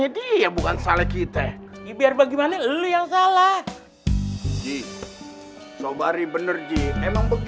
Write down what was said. ya alhamdulillah ya enggak terjadi apa apa kan bang